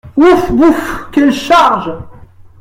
Ouf ! bouf ! quelle charge !